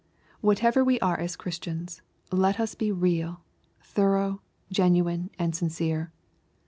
Whatever we are as Christians, let us be real, thorough, genuine and sincere.